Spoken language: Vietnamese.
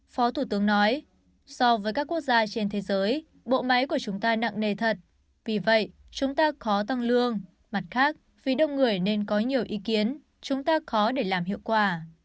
phó thủ tướng nói so với các quốc gia trên thế giới bộ máy của chúng ta nặng nề thật vì vậy chúng ta khó tăng lương mặt khác vì đông người nên có nhiều ý kiến chúng ta khó để làm hiệu quả